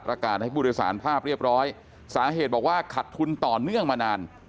การให้ผู้โดยสารภาพเรียบร้อยสาเหตุบอกว่าขัดทุนต่อเนื่องมานาน